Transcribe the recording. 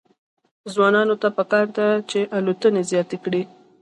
ځوانانو ته پکار ده چې، الوتنې زیاتې کړي.